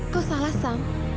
kau salah sam